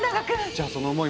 じゃあその思い